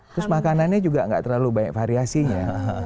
terus makanannya juga nggak terlalu banyak variasinya